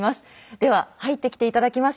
では入ってきて頂きましょう。